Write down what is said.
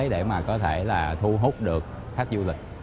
để mà có thể là thu hút được khách du lịch